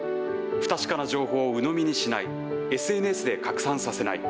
不確かな情報をうのみにしない、ＳＮＳで拡散させない。